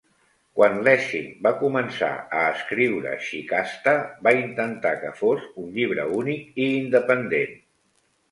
Quan Lessing va començar a escriure "Shikasta" va intentar que fos un llibre únic i independent.